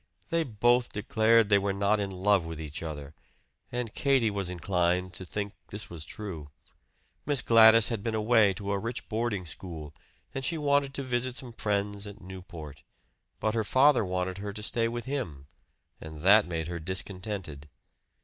They both declared they were not in love with each other, and Katie was inclined to think this was true. Miss Gladys had been away to a rich boarding school, and she wanted to visit some friends at Newport; but her father wanted her to stay with him, and that made her discontented.